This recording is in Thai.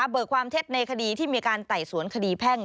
ความเท็จในคดีที่มีการไต่สวนคดีแพ่ง